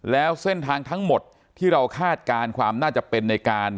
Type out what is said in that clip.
แล้วเส้นทางทั้งหมดที่เราคาดการณ์ความน่าจะเป็นในการ